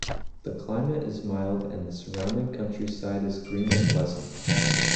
The climate is mild and the surrounding countryside is green and pleasant.